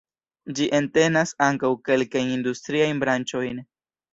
Ĝi entenas ankaŭ kelkajn industriajn branĉojn.